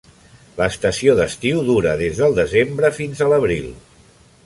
L'estació d'estiu dura des del desembre fins a l’abril.